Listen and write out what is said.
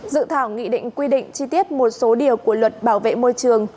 dự thảo nghị định quy định chi tiết một số điều của luật bảo vệ môi trường